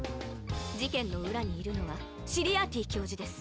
じけんのうらにいるのはシリアーティ教授です。